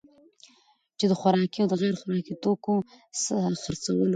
چي د خوراکي او غیر خوراکي توکو دخرڅولو